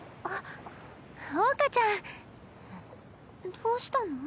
どうしたの？